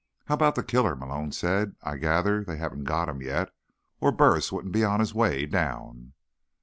"How about the killer?" Malone said. "I gather they haven't got him yet, or Burris wouldn't be on his way down."